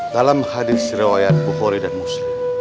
dalam hadits riwayat bukhari dan muslim